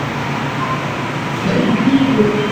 পাকিস্তানের সমাজে প্রেম করে বিয়ে করাটা এখনো ট্যাবু।